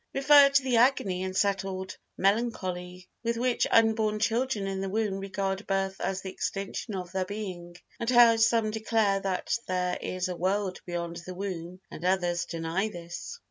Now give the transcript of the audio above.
Refer to the agony and settled melancholy with which unborn children in the womb regard birth as the extinction of their being, and how some declare that there is a world beyond the womb and others deny this.